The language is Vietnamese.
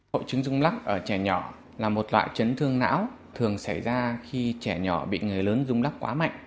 hội chứng dùng lọc ở trẻ nhỏ là một loại chấn thương não thường xảy ra khi trẻ nhỏ bị người lớn dùng lọc quá mạnh